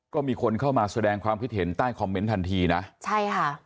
ก็มีคนเข้ามาแสดงความคิดเห็นใต้คอมเมนต์ทันทีนะใช่ค่ะ